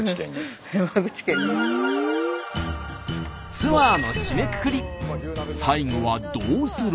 ツアーの締めくくり最後はどうする？